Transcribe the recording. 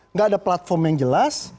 nggak ada platform yang jelas